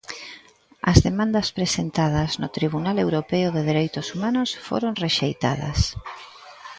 As demandas presentadas no Tribunal Europeo de Dereitos Humanos foron rexeitadas.